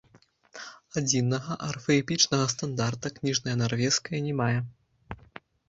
Адзінага арфаэпічнага стандарта кніжная нарвежская не мае.